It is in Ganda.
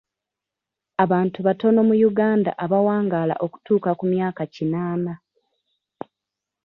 Abantu batono mu Uganda abawangaala okutuuka ku myaka kinaana.